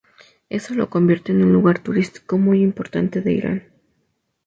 Eso lo convierte en un lugar turístico muy importante de Irán.